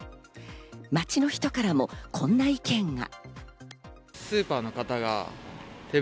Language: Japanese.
街の人からもこんな意見が。